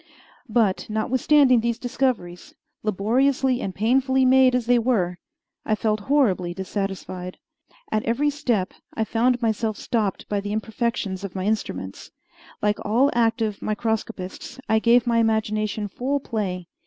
But notwithstanding these discoveries, laboriously and painfully made as they were, I felt horribly dissatisfied. At every step I found myself stopped by the imperfections of my instruments. Like all active microscopists, I gave my imagination full play.